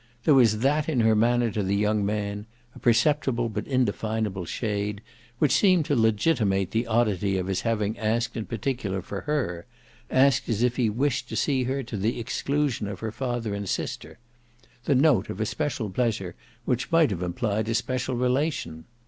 There was that in her manner to the young man a perceptible but indefinable shade which seemed to legitimate the oddity of his having asked in particular for her, asked as if he wished to see her to the exclusion of her father and sister: the note of a special pleasure which might have implied a special relation.